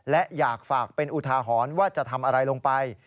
และอยากฝากเป็นอุทาหรณ์ว่าจะทำอะไรลงไป